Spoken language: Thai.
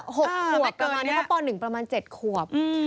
๖ขวบประมาณนี้แล้วป๑ประมาณ๗ขวบ